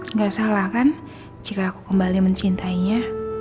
nggak salah kan jika aku kembali mencintainya